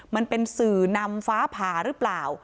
มันเป็นสื่อนำฟ้าผ่าหรือเปล่า